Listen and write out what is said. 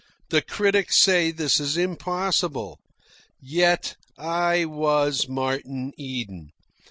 The critics say this is impossible. Yet I was Martin Eden.